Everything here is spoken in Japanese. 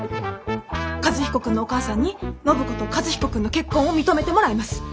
和彦君のお母さんに暢子と和彦君の結婚を認めてもらいます！